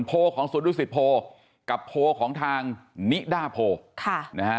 โพลของสวนดุสิตโพกับโพลของทางนิดาโพค่ะนะฮะ